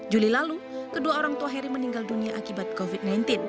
juli lalu kedua orang tua heri meninggal dunia akibat covid sembilan belas